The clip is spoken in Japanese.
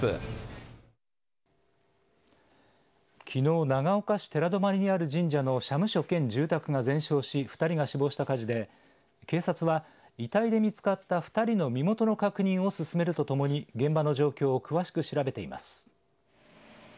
きのう、長岡市寺泊にある神社の社務所兼住宅が全焼し２人が死亡した火事で警察は遺体で見つかった２人の身元の確認を進めるとともに現場の状況を詳しく調べています。